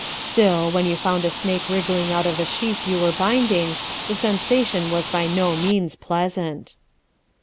Still, when you found a snake wriggling out of the sheaf you were binding, the sensation was by no means pleasant.